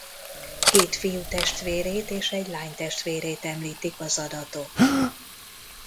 Két fiútestvérét és egy lánytestvérét említik az adatok.